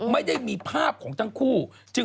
ไม่ได้มีภาพของทั้งคู่